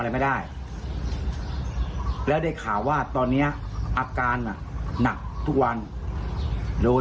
อะไรไม่ได้แล้วได้ข่าวว่าตอนนี้อาการน่ะหนักทุกวันโดย